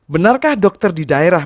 benarkah dokter di daerah